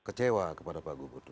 kecewa kepada pak gubernur